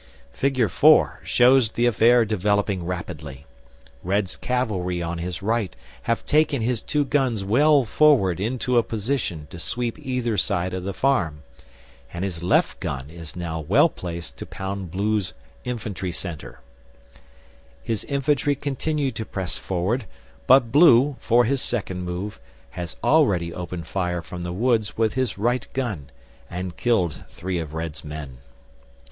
Figure 4 shows the affair developing rapidly. Red's cavalry on his right have taken his two guns well forward into a position to sweep either side of the farm, and his left gun is now well placed to pound Blue's infantry centre. His infantry continue to press forward, but Blue, for his second move, has already opened fire from the woods with his right gun, and killed three of Red's men.